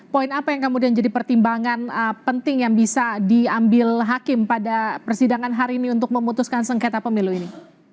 poin apa yang kemudian jadi pertimbangan penting yang bisa diambil hakim pada persidangan hari ini untuk memutuskan sengketa pemilu ini